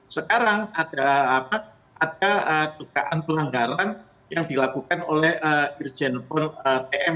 sekarang ada tukaran pelanggaran yang dilakukan oleh irjen paul pm